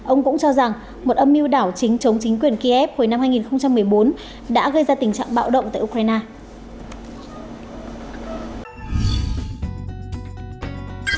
ông cũng cho rằng một âm mưu đảo chính chống chính quyền kiev hồi năm hai nghìn một mươi bốn đã gây ra tình trạng bạo động tại ukraine